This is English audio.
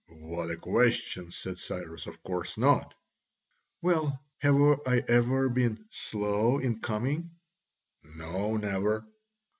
"What a question!" said Cyrus, "of course not." "Well, have I ever been slow in coming?" "No, never."